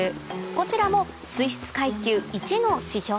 こちらも水質階級の指標